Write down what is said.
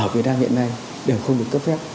ở việt nam hiện nay đều không được cấp phép